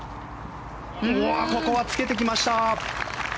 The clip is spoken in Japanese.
ここはつけてきました！